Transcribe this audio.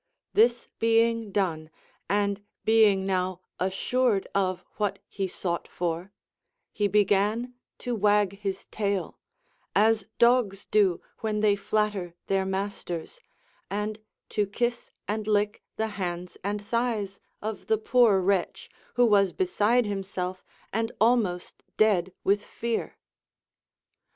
This being done, and being now assured of what he sought for, he began to wag his tail, as dogs do when they flatter their masters, and to kiss and lick the hands and thighs of the poor wretch, who was beside himself, and almost dead with fear.